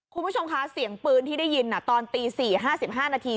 คุณผู้ชมคะเสียงปืนที่ได้ยินตอนตี๔๕๕นาที